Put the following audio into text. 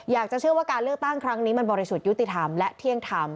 อยากจะเชื่อว่าการเลือกตั้งครั้งนี้มันบริสุทธิ์ยุติธรรมและเที่ยงธรรม